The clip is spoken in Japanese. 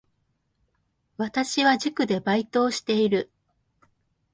私は塾でバイトをしている